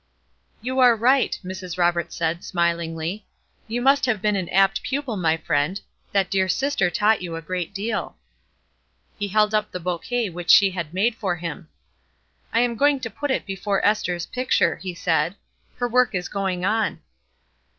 "You are right," Mrs. Roberts said, smilingly; "you must have been an apt pupil, my friend. That dear sister taught you a great deal." He held up the bouquet which she had made for him. "I am going to put it before Ester's picture," he said; "her work is going on."